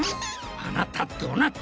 あなたどなた？